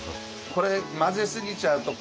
これ混ぜすぎちゃうと